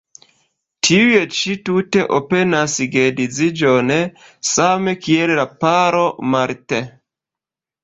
Tiuj ĉi tute oponas geedziĝon, same kiel la paro Martin.